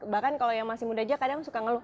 bahkan kalau yang masih muda aja kadang suka ngeluh